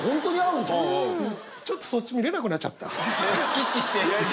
意識して？